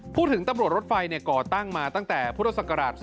พูดถึงตำรวจรถไฟก่อตั้งมาตั้งแต่พศ๒๔๓๗